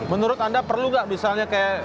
menurut anda perlu nggak misalnya kayak